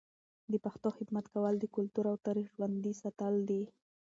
د پښتو خدمت کول د کلتور او تاریخ ژوندي ساتل دي.